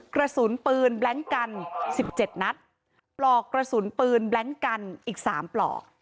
กระสุนปืนแบล็งกัน๑๗นัดปลอกกระสุนปืนแบล็งกันอีก๓ปลอก